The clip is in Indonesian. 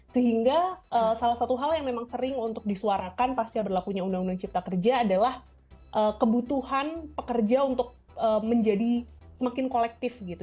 sehingga salah satu hal yang memang sering untuk disuarakan pasca berlakunya undang undang cipta kerja adalah kebutuhan pekerja untuk menjadi semakin kolektif gitu